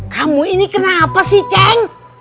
kamu ini kenapa sih can